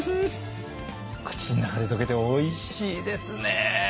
口の中で溶けておいしいですね！